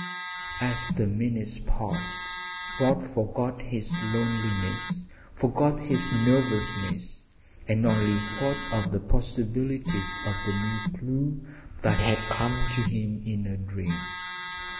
As the minutes passed Rod forgot his loneliness, forgot his nervousness and only thought of the possibilities of the new clue that had come to him in a dream.